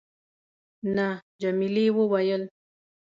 نه. جميلې وويل:.